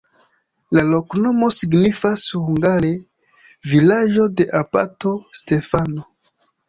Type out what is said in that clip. La loknomo signifas hungare: vilaĝo de abato Stefano.